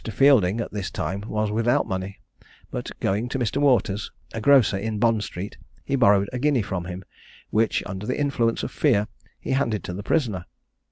Fielding at this time was without money, but going to Mr. Waters, a grocer in Bond street, he borrowed a guinea from him, which, under the influence of fear, he handed to the prisoner.